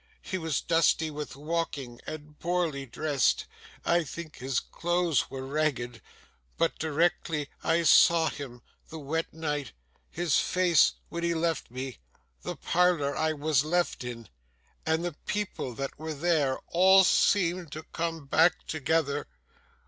He was dusty with walking, and poorly dressed I think his clothes were ragged but directly I saw him, the wet night, his face when he left me, the parlour I was left in, and the people that were there, all seemed to come back together.